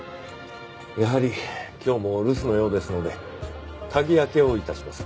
やはり今日も留守のようですので鍵開けを致します。